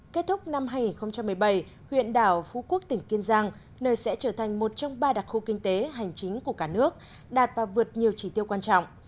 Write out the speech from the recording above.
kết thúc năm hai nghìn một mươi bảy huyện đảo phú quốc tỉnh kiên giang nơi sẽ trở thành một trong ba đặc khu kinh tế hành chính của cả nước đạt và vượt nhiều chỉ tiêu quan trọng